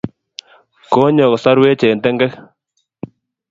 Konyo kosoruech eng tengek